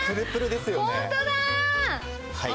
はい。